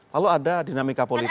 lalu ada dinamika politik